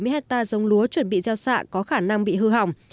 một sáu trăm bảy mươi hecta dòng lúa chuẩn bị gieo xạ có khả năng bị hư hỏng